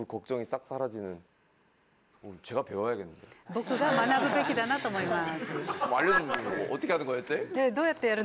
僕が学ぶべきだなと思います。